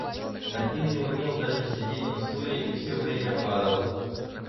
Один не умел даже сидеть на стуле и все время падал.